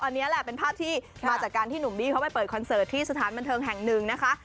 อันนี้แหละเป็นภาพที่มาจากการที่หนุ่มบี้เขาไปเปิดคอนเสิร์ตที่สถานบันเทิงแห่งหนึ่งนะคะ